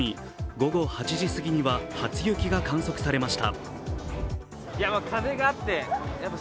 午後８時すぎには初雪が観測されました。